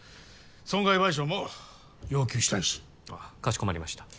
損害賠償も要求したいしかしこまりました